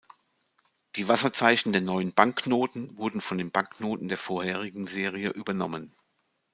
Die Wasserzeichen der neuen Banknoten wurden von den Banknoten der vorherigen Serie übernommen.